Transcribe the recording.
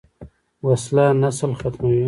وسله نسل ختموي